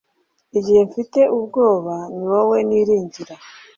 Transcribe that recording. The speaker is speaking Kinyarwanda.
Igihe mfite ubwoba ni wowe niringira